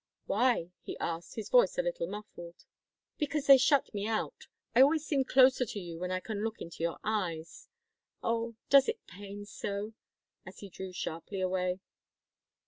"Why?" he asked, his voice a little muffled. "Because they shut me out. I always seem closer to you when I can look into your eyes. Oh does it pain so?" as he drew sharply away.